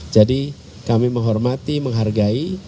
jadi kami menghormati menghargai